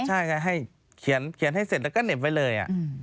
ใช่ไงให้เขียนให้เสร็จแล้วก็เหน็บไว้เลย